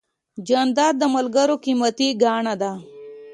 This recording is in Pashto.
جانداد د ملګرو قیمتي ګاڼه ده.